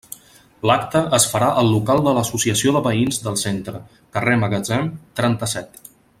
L'acte es farà al local de l'Associació de Veïns del Centre, carrer Magatzem, trenta-set.